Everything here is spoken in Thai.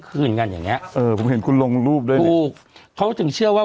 คืนงั้นอย่างเนี้ยเออผมเห็นคุณลงรูปด้วยเพราะจึงเชื่อว่า